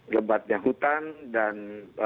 gebatnya hutan dan